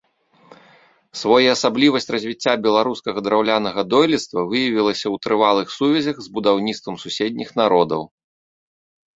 Своеасаблівасць развіцця беларускага драўлянага дойлідства выявілася ў трывалых сувязях з будаўніцтвам суседніх народаў.